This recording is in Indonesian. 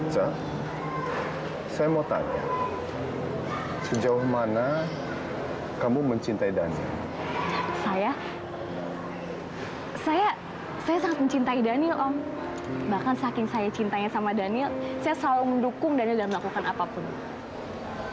saya selalu mendukung daniel dalam melakukan apapun